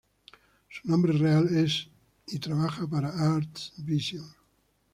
Su nombre real es y trabaja para Arts Vision.